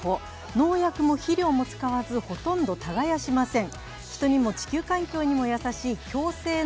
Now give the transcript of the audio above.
農薬も肥料も使わず、ほとんど耕しません。